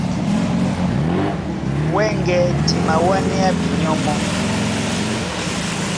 Wɛ́ŋgɛ̄ di mawánéá binyɔ́ mɔ́.